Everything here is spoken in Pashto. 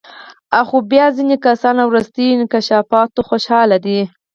آخوا بیا ځینې کسان له وروستیو انکشافاتو خوشحاله دي.